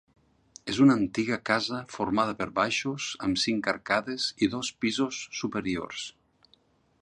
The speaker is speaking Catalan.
És una antiga casa formada per baixos, amb cinc arcades i dos pisos superiors.